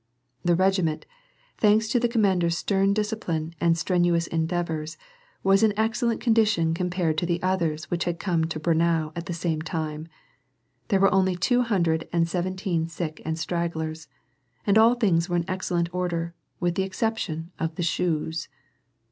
The regiment, thanks to the commander's stem discipline and strenuous endeavors, was in excellent condition compared to the others which had come to Braunau at the same time ; there were only two hundred and seventeen sick and stragglers ; and all things were in excellent order, with the exception of the shoes.